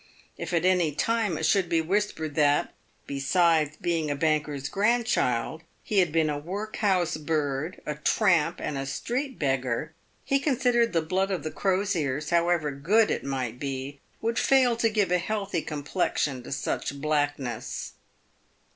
If at any time it should be whis pered that, besides being a banker's grandchild, he had been a work house bird, a tramp, and a street beggar, he considered the blood of the Crosiers, however good it might be, would fail to give a healthy com plexion to such blackness.